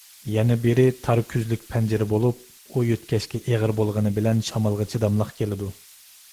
يەنە بىرى، تار كۆزلۈك پەنجىرە بولۇپ، ئۇ يۆتكەشكە ئېغىر بولغىنى بىلەن شامالغا چىداملىق كېلىدۇ.